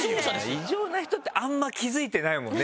異常な人ってあんま気づいてないもんね